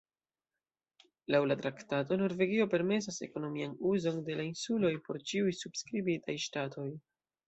Laŭ la traktato, Norvegio permesas ekonomian uzon de la insuloj por ĉiuj subskribitaj ŝtatoj.